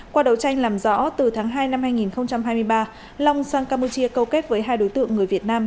qua đấu tranh làm rõ từ tháng hai năm hai nghìn hai mươi ba long sang campuchia câu kết với hai đối tượng người việt nam